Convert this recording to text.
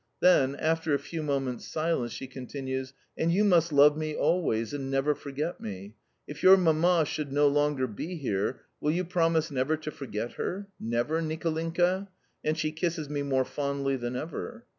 Then, after a few moments' silence, she continues: "And you must love me always, and never forget me. If your Mamma should no longer be here, will you promise never to forget her never, Nicolinka? and she kisses me more fondly than ever.